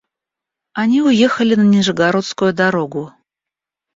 Они уехали на Нижегородскую дорогу.